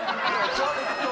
ちょっと。